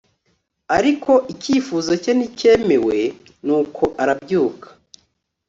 ariko icyifuzo cye nticyemewe nuko arabyuka